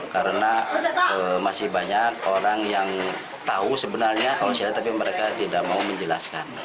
karena masih banyak orang yang tahu sebenarnya kalau saya tapi mereka tidak mau menjelaskan